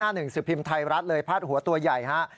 หนึ่งสิบพิมพ์ไทยรัฐเลยพาดหัวตัวใหญ่ฮะ